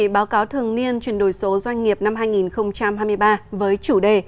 báo cáo thường niên chuyển đổi số doanh nghiệp năm hai nghìn hai mươi ba với chủ đề